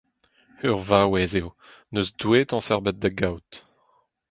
ur vaouez eo, n’eus douetañs ebet da gaout.